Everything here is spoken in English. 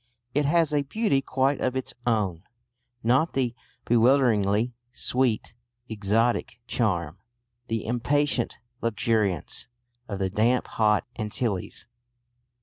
It has a beauty quite of its own; not the bewilderingly sweet, exotic charm, the impatient luxuriance, of the damp hot Antilles.